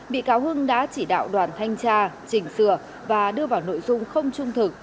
bị cáo hưng đã chỉ đạo đoàn thanh tra chỉnh sửa và đưa vào nội dung không trung thực